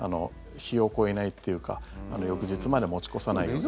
日を越えないっていうか翌日まで持ち越さないようにする。